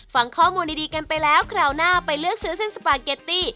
ฟังข้อมูลดีกันไปแล้วคราวหน้าไปเลือกซื้อเส้นสปาเกตตี้